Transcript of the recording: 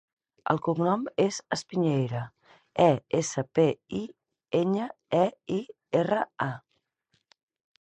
El cognom és Espiñeira: e, essa, pe, i, enya, e, i, erra, a.